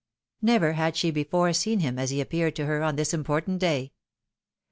Never had she before seen him as he appeared to her on this important day.